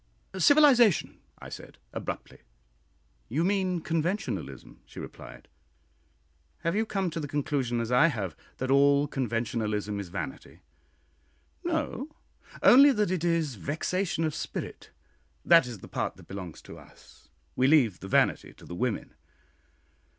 "Civilisation," I said, abruptly. "You mean Conventionalism," she replied; "have you come to the conclusion, as I have, that all conventionalism is vanity?" "No; only that it is 'vexation of spirit;' that is the part that belongs to us we leave the 'vanity' to the women."